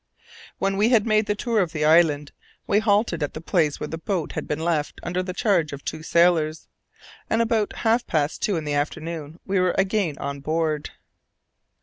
When we had made the tour of the island, we halted at the place where the boat had been left under the charge of two sailors, and about half past two in the afternoon we were again on board.